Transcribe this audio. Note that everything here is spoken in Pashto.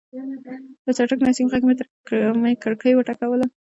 د چټک نسیم غږ مې کړکۍ وټکوله.